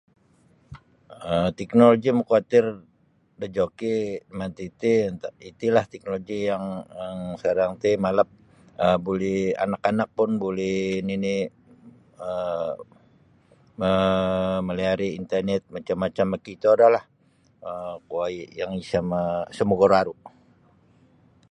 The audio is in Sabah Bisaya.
um teknoloji makawatir da joki' manti ti itilah teknoloji yang um sakarang ti malap um buli anak-anak pun buli nini' um ma malayari' internet macam-macam mokito do lah kuo yang sa' ma' sa' magaru'-aru'.